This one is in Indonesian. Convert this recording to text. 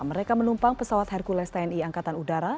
mereka menumpang pesawat hercules tni angkatan udara